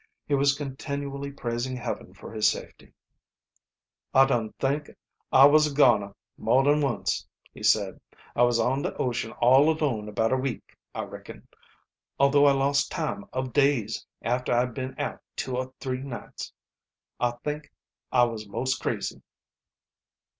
He was continually praising Heaven for his safety. "I dun Vink I was a goner more dan once," he said. "I was on de ocean all alone about a week, I reckon, although I lost time ob days after I'd been out two or Vree nights. I Vink I was most crazy."